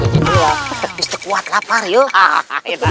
tegis teguat lapar yuk